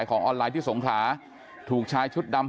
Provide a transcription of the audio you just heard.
โลกไว้แล้วพี่ไข่โลกไว้แล้วพี่ไข่